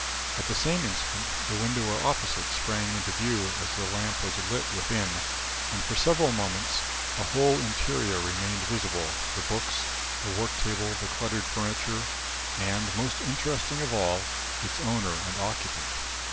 At the same instant, the window opposite sprang into view as the lamp was lit within, and for several minutes the whole interior remained visible the books, the work table, the cluttered furniture, and, most interesting of all, its owner and occupant.